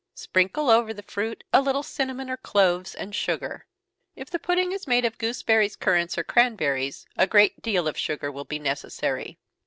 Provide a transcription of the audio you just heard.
Sprinkle over the fruit a little cinnamon or cloves, and sugar. If the pudding is made of gooseberries, currants, or cranberries, a great deal of sugar will be necessary.